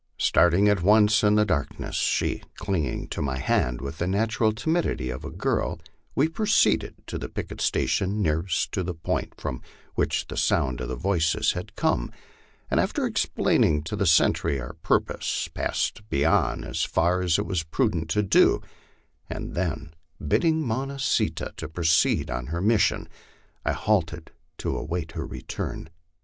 Starting at once in the dark ness, she clinging to my hand with the natural timidity of a girl, we proceeded to the picket station nearest to the point from which the sound of voices had come, and after explaining to the sentry our purpose, passed beyond as far as it was prudent to do, and then, bidding Mo nah see tah to proceed on her mis sion, I halted to await her return.